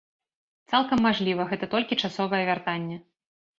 Цалкам мажліва, гэта толькі часовае вяртанне.